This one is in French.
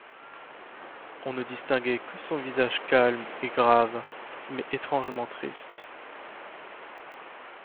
On ne distinguait que son visage calme et grave, mais étrangement triste.